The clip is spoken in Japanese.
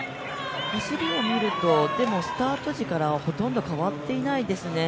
走りを見ると、スタート時からほとんど変わっていないですね。